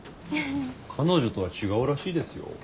彼女とは違うらしいですよ。